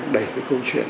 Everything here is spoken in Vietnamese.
đẩy cái câu chuyện